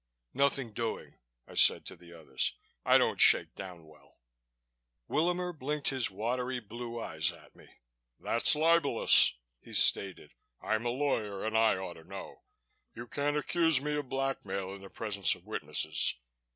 "Nothing doing," I said to the others. "I don't shake down well." Willamer blinked his watery blue eyes at me. "That's libelous," he stated. "I'm a lawyer and I ought to know. You can't accuse me of blackmail in the presence of witnesses.